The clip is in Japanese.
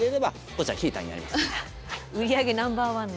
売り上げナンバーワンの。